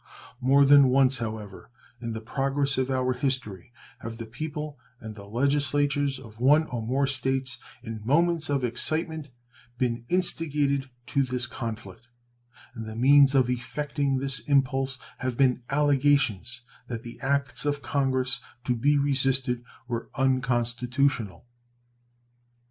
More than once, however, in the progress of our history have the people and the legislatures of one or more States, in moments of excitement, been instigated to this conflict; and the means of effecting this impulse have been allegations that the acts of Congress to be resisted were unconstitutional.